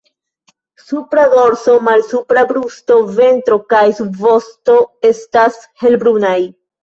Supra dorso, malsupra brusto, ventro kaj subvosto estas helbrunaj.